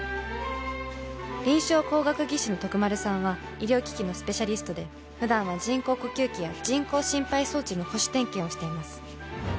臨床工学技士の徳丸さんは医療機器のスペシャリストで普段は人工呼吸器や人工心肺装置の保守点検をしています